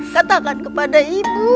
katakan kepada ibu